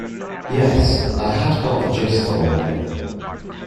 Yes, I had got the gist all right.